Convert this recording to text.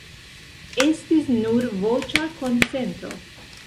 Estis nur voĉa konsento.